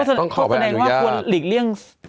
แสดงเขาแสดงว่าควรหลีกเลี่ยง